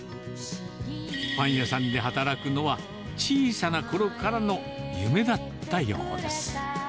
パン屋さんで働くのは、小さなころからの夢だったようです。